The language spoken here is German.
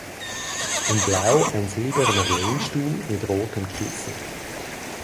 In Blau ein silberner Lehnstuhl mit rotem Kissen.